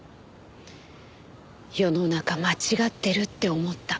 世の中間違ってるって思った。